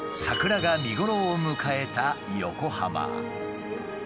桜が見頃を迎えた横浜。